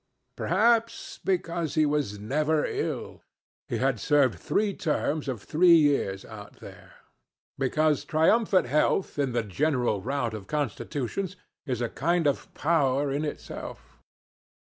Perhaps because he was never ill ... He had served three terms of three years out there ... Because triumphant health in the general rout of constitutions is a kind of power in itself.